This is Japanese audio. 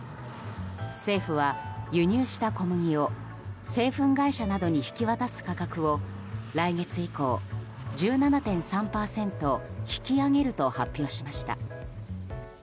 政府は輸入した小麦を製粉会社などに引き渡す価格を来月以降、１７．３％引き上げると発表しました。